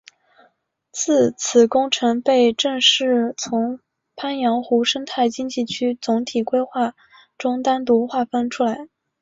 自此工程被正式从鄱阳湖生态经济区总体规划中单独划分出来。